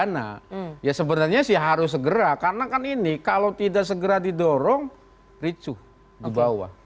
nah ya sebenarnya sih harus segera karena kan ini kalau tidak segera didorong ricuh di bawah